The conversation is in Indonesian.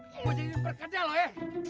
gue jadi perkenal lo ya